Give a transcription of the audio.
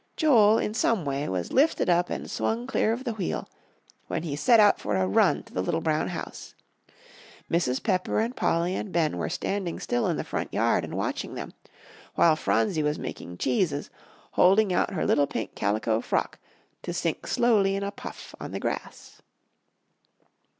Joel, in some way, was lifted up and swung clear of the wheel, when he set out for a run to the little brown house. Mrs. Pepper and Polly and Ben were standing still in the front yard and watching them, while Phronsie was making cheeses, holding out her little pink calico frock to sink slowly in a puff on the grass.